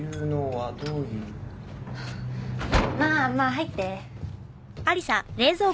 ははっまあまあ入って。